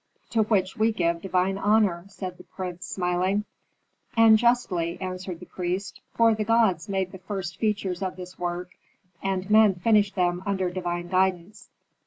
"To which we give divine honor," said the prince, smiling. "And justly," answered the priest. "For the gods made the first features of this work and men finished them under divine guidance.